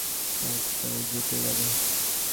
কাজ তার জুটে গেল।